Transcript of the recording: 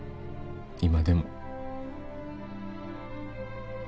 今でも。